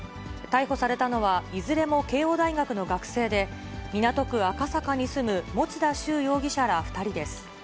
逮捕されたのは、いずれも慶応大学の学生で、港区赤坂に住む持田崇容疑者ら２人です。